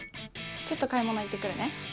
ちょっと買い物行ってくるね。